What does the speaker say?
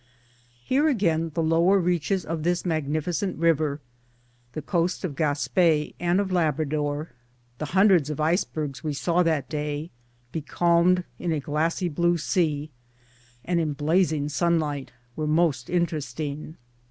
Here again the lower reaches of this magnificent river, the coast of Gaspe*, and of Labrador, the hundreds of icebergs we saw that day, becalmed in a glassy blue sea, and in blazing sunlight, were most interesting 1